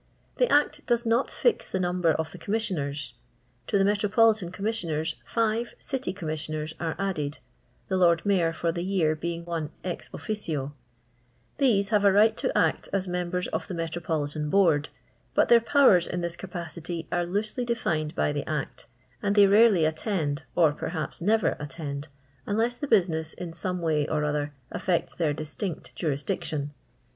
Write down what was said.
The Act does not fix the number of the Com missioners. To the Metropolitan Commissioners, five City Conuiissioners are added (the Lord Mayor for the year being one ex officio) ; these have a right to act as members of the Metro politan Board, but their powers in this capacity ore loosely defined by the Act, and they mrciy attend, or p^rhnps never attend, unless the busi ness in Bome wny or otlicr affects their distinct jurisdiction.